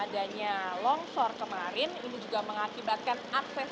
dan yang terdapat di atas